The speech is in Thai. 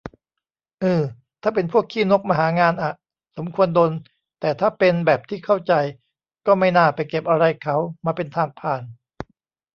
อือ ถ้าเป็นพวกขี้นกมาหางานอะ สมควรโดนแต่ถ้าเป็น แบบที่เข้าใจ ก็ไม่น่าไปเก็บอะไรเขา มาเป็นทางผ่าน